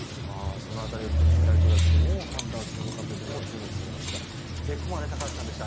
その辺りはプーチン大統領はどう判断するのかが注目されますがここまで高橋さんでした。